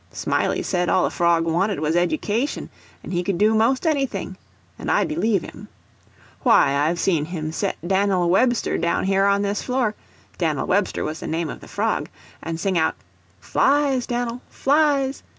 Smiley said all a frog wanted was education, and he could do 'most anything—and I believe him. Why, I've seen him set Dan'l Webster down here on this floor—Dan'l Webster was the name of the frog—and sing out, "Flies, Dan'l, flies!"